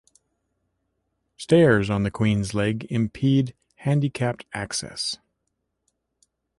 Stairs on the Queens leg impede handicapped access.